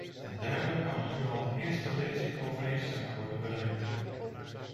Ten derde kan er nu al in eerste lezing overeenstemming worden bereikt.